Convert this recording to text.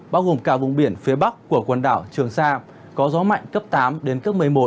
bao gồm cả vùng biển phía bắc của quần đảo trường sa có gió mạnh cấp tám đến cấp một mươi một